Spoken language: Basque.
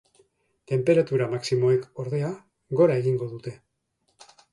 Tenperatura maximoek, ordea, gora egingo dute.